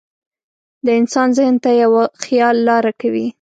د انسان ذهن ته یو خیال لاره کوي.